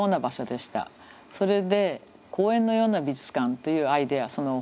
それで公園のような美術館というアイデア。